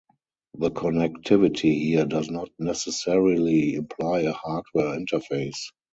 The connectivity here does not necessarily imply a hardware interface.